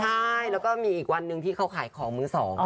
ใช่แล้วก็มีอีกวันหนึ่งที่เขาขายของมือสอง